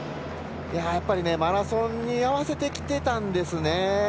やっぱり、マラソンに合わせてきてたんですね。